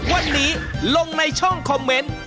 วันนี้ลงในช่องคอมเมนต์